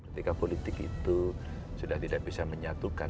ketika politik itu sudah tidak bisa menyatukan